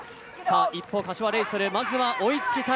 一方柏レイソル、まずは追いつきたい。